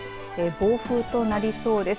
暴風となりそうです。